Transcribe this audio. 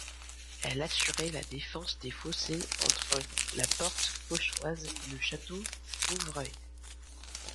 Elle assurait la défense des fossés entre la porte Cauchoise et le château Bouvreuil.